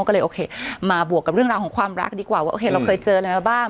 ก็เลยโอเคมาบวกกับดีกว่าว่าโอเคเราเคยเจออะไรบ้าง